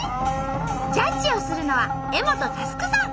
ジャッジをするのは柄本佑さん！